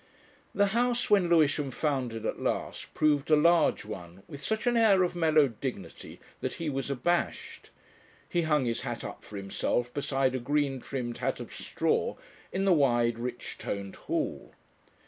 The house, when Lewisham found it at last, proved a large one, with such an air of mellowed dignity that he was abashed. He hung his hat up for himself beside a green trimmed hat of straw in the wide, rich toned hall.